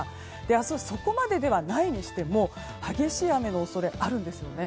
明日、そこまでではないにしても激しい雨の恐れがあるんですよね。